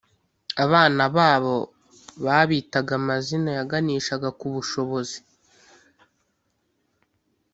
Abana babo babitaga amazina yaganishaga ku bushobozi